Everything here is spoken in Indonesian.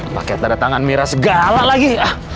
paket ada tangan mira segala lagi